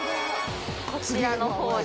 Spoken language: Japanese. こちらの方に。